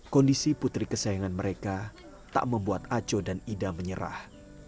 kondisi putri kesayangan mereka tak membuat aco dan ida menyerah